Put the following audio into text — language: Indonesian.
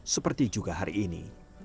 seperti juga hari ini